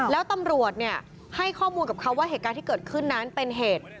แล้วตำรวจให้ข้อมูลกับเขาว่าเหตุการณ์ที่เกิดขึ้นนั้นเป็นเหตุ